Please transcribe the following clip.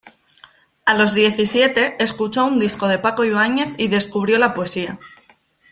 A los diecisiete escuchó un disco de Paco Ibáñez y descubrió la poesía.